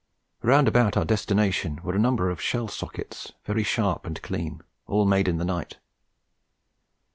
Round about our destination were a number of shell sockets, very sharp and clean, all made in the night.